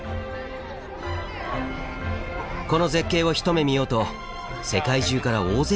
この絶景を一目見ようと世界中から大勢の観光客が訪れます。